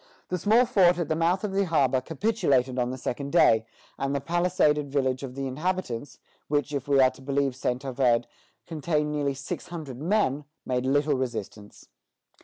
The small fort at the mouth of the harbor capitulated on the second day, and the palisaded village of the inhabitants, which, if we are to believe Saint Ovide, contained nearly six hundred men, made little resistance.